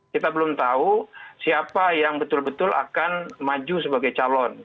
kita belum tahu siapa yang betul betul akan maju sebagai calon